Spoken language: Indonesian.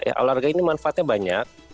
ya olahraga ini manfaatnya banyak